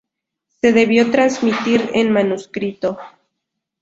Se debió transmitir en manuscrito.